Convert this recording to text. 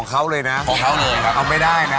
บ้างไงเนี่ยหอปิดไหม